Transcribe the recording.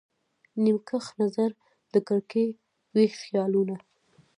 نیم کښ نظر د کړکۍ، ویښ خیالونه